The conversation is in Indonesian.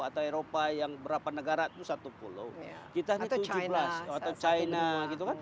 atau eropa yang berapa negara itu satu pulau